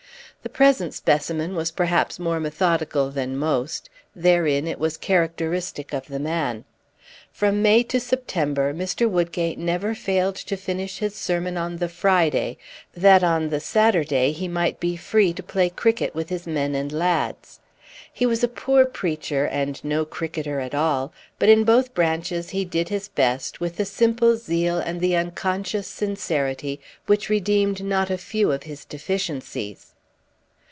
The present specimen was perhaps more methodical than most; therein it was characteristic of the man. From May to September, Mr. Woodgate never failed to finish his sermon on the Friday, that on the Saturday he might be free to play cricket with his men and lads. He was a poor preacher and no cricketer at all; but in both branches he did his best, with the simple zeal and the unconscious sincerity which redeemed not a few of his deficiencies.